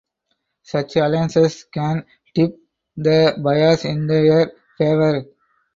Such alliances can tip the bias in their favor.